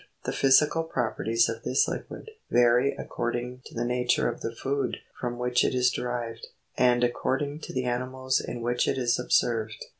The physical properties of this liquid, vary according to the nature of the food from which it is derived, and according to the animals in which it is observed.